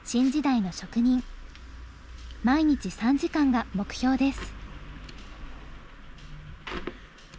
毎日３時間が目標です。